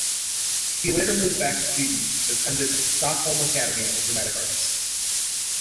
He later moved back to Sweden and attended Stockholm Academy of Dramatic Arts.